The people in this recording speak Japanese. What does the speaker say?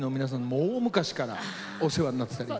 もう大昔からお世話になったり。